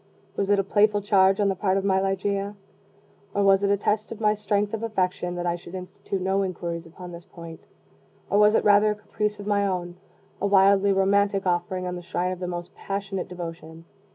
Was it a playful charge on the part of my Ligeia? or was it a test of my strength of affection, that I should institute no inquiries upon this point? or was it rather a caprice of my own a wildly romantic offering on the shrine of the most passionate devotion?